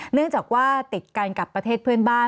เนื่องจากว่าติดกันกับประเทศเพื่อนบ้าน